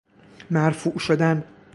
مرفوع شدن